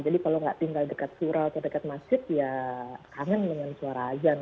jadi kalau nggak tinggal dekat surau atau dekat masjid ya kangen dengan suara azan